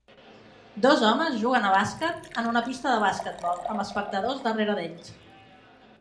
Dos homes juguen a bàsquet en una pista de basquetbol amb espectadors darrere d'ells.